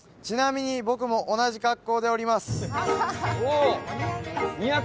ちなみに僕も同じ格好でおりますおお！